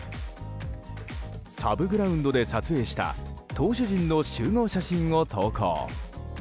サブグラウンドで撮影した投手陣の集合写真を投稿。